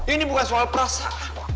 ini bukan soal perasaan